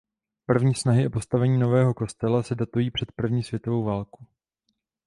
První snahy o postavení nového kostela se datují před první světovou válkou.